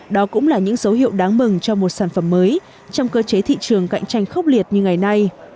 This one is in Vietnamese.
đó cũng là những dấu hiệu đáng mừng cho một sản phẩm mới trong cơ chế thị trường cạnh tranh khốc liệt như ngày nay